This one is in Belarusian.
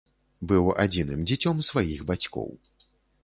Быў адзіным дзіцём сваіх бацькоў.